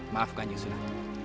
maaf kanyu sunan